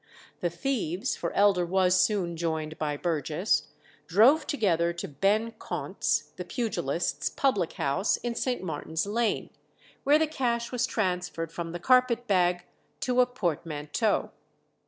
The thieves, for Elder was soon joined by Burgess, drove together to Ben Caunt's, the pugilist's, public house in St. Martin's Lane, where the cash was transferred from the carpet bag to a portmanteau.